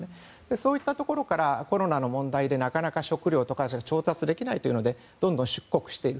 そういったところからコロナの問題でなかなか食糧などを調達できないということでどんどん出国している。